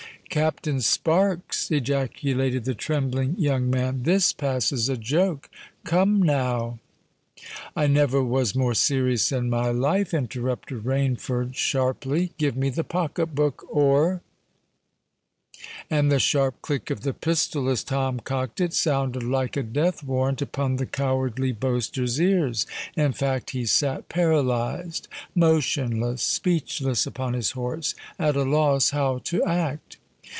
"Captain Sparks!" ejaculated the trembling young man: "this passes a joke. Come, now——" "I never was more serious in my life," interrupted Rainford sharply. "Give me the pocket book; or——" And the sharp click of the pistol, as Tom cocked it, sounded like a death warrant upon the cowardly boaster's ears. In fact, he sate paralysed—motionless—speechless upon his horse, at a loss how to act.